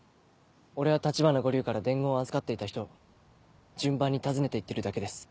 俺は橘五柳から伝言を預かっていた人を順番に訪ねて行ってるだけです。